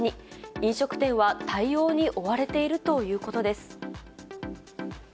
飲食店は対応に追われているということです。